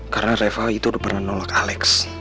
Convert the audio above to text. karena reva itu udah pernah nolak alex